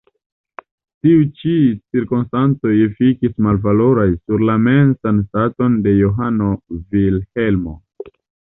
Tiuj ĉi cirkonstancoj efikis malfavoraj sur la mensan staton de Johano Vilhelmo.